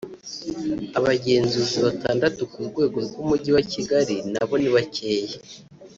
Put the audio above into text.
abagenzuzi batandatu ku rwego rw’umujyi wa Kigali nabo ni bakeya